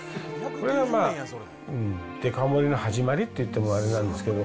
それがまあ、デカ盛りの始まりって言ってもあれなんですけど。